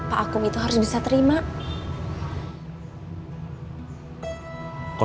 allah juga itu yang membantu